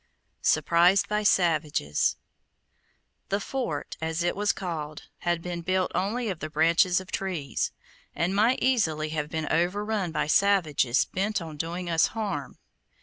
SURPRISED BY SAVAGES The fort, as it was called, had been built only of the branches of trees, and might easily have been overrun by savages bent on doing us harm.